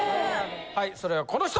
はいそれはこの人。